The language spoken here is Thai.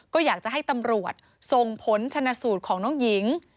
ก็อยากจะให้ตำรวจส่งผลชนะสูตรของน้องหญิง